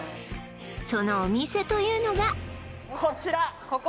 そのお店というのがこちらここ？